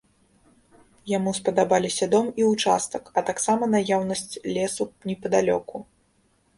Яму спадабаліся дом і ўчастак, а таксама наяўнасць лесу непадалёку.